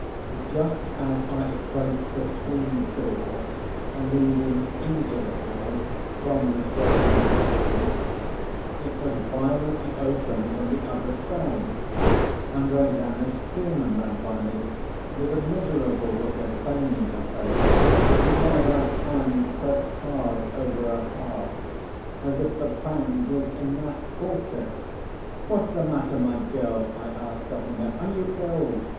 Just as I approached the swing door leading into the hall from the servants' offices, it was violently opened from the other side, and Rosanna Spearman ran by me, with a miserable look of pain in her face, and one of her hands pressed hard over her heart, as if the pang was in that quarter. "What's the matter, my girl?" I asked, stopping her. "Are you ill?"